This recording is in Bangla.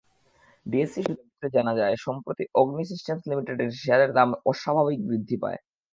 ডিএসই সূত্রে জানা যায়, সম্প্রতি অগ্নি সিস্টেমস লিমিটেডের শেয়ারের দাম অস্বাভাবিক বৃদ্ধি পায়।